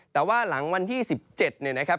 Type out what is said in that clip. แต่ว่าหลังวันที่สิบเจ็ดเนี่ยนะครับ